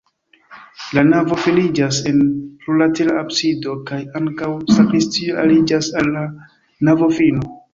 La navo finiĝas en plurlatera absido kaj ankaŭ sakristio aliĝas al la navofino.